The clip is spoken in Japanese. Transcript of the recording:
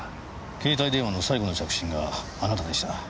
携帯電話の最後の着信があなたでした。